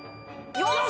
よし！